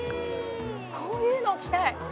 こういうのを着たい！